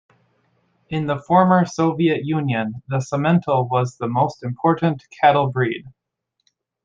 In the former Soviet Union, the Simmental was the most important cattle breed.